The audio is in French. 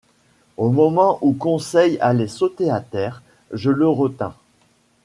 Au moment où Conseil allait sauter à terre, je le retins.